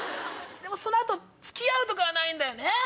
その後付き合うとかはないんだよね。